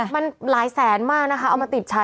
มันหลายแสนมากนะคะเอามาติดใช้